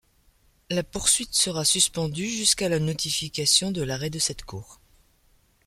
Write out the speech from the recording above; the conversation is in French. La poursuite sera suspendue jusqu'à la notification de l'arrêt de cette Cour.